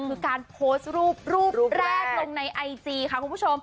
คือการโพสต์รูปรูปแรกลงในไอจีค่ะคุณผู้ชม